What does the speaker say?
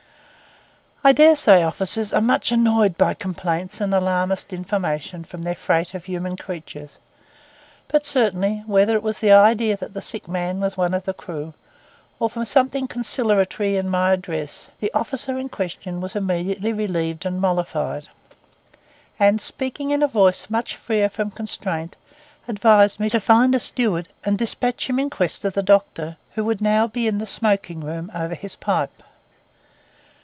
I dare say officers are much annoyed by complaints and alarmist information from their freight of human creatures; but certainly, whether it was the idea that the sick man was one of the crew, or from something conciliatory in my address, the officer in question was immediately relieved and mollified; and speaking in a voice much freer from constraint, advised me to find a steward and despatch him in quest of the doctor, who would now be in the smoking room over his pipe.